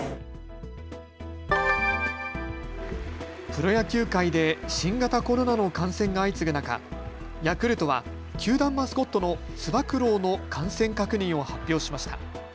プロ野球界で新型コロナの感染が相次ぐ中、ヤクルトは球団マスコットのつば九郎の感染確認を発表しました。